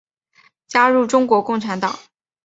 加入中国共产党。